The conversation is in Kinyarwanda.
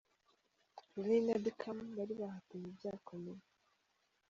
Rooney na Beckham bari bahatanye byakomeye.